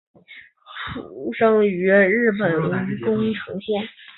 出生于日本宫城县。